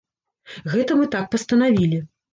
Гэта мы так пастанавілі.